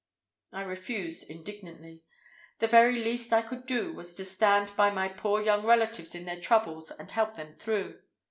I refused indignantly. The very least I could do was to stand by my poor young relatives in their troubles and help them through.